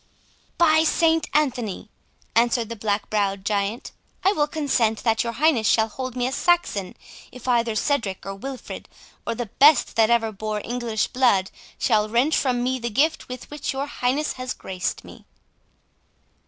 "By St Anthony!" answered the black brow'd giant, "I will consent that your highness shall hold me a Saxon, if either Cedric or Wilfred, or the best that ever bore English blood, shall wrench from me the gift with which your highness has graced me."